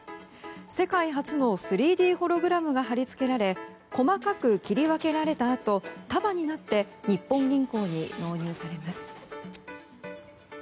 世界初の３Ｄホログラムが貼り付けられ細かく切り分けられたあと束になって日本銀行に納入されます。